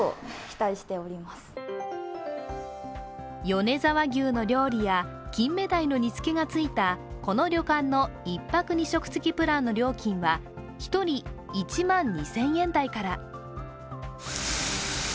米沢牛の料理やきんめだいの煮つけがついたこの旅館の１泊２食付きプランの料金は１人１万２０００円台から。